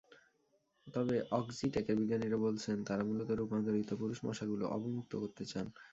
তবে অক্সিটেকের বিজ্ঞানীরা বলছেন, তাঁরা মূলত রূপান্তরিত পুরুষ মশাগুলো অবমুক্ত করতে চান।